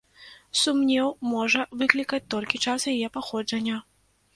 Сумнеў можа выклікаць толькі час яе паходжання.